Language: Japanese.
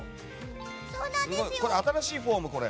新しいフォーム、これ？